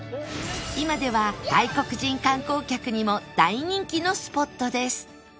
今では外国人観光客にも大人気のスポットです